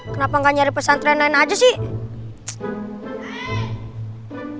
kenapa nggak nyari pesantren lain aja sih